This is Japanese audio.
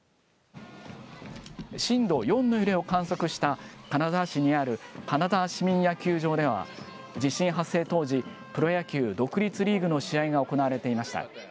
震度４の揺れを観測した、金沢市にある金沢市民野球場では、地震発生当時、プロ野球独立リーグの試合が行われていました。